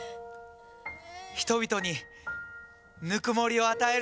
人々にぬくもりを与えるぞ。